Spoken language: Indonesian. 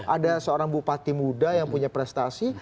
ada seorang bupati muda yang punya prestasi